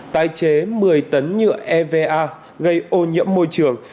tái chế một mươi tấn nhựa eva gây ô nhiễm môi trường